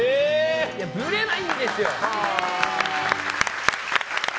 ぶれないんですよ。